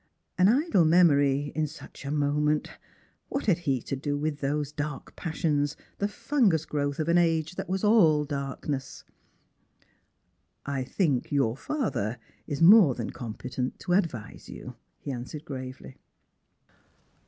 An idle memory in such a mo Strangers and Pilgrims. 17 ment! iVhat had he to do with those da^rk passions — the fungus growth of an age that was all darkness? " I think your father is more than competent to advise you," he answered gravely.